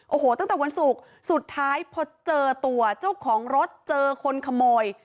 โอ้โหตั้งแต่วันศุกร์สุดท้ายพอเจอตัวเจ้าของรถเจอคนขโมย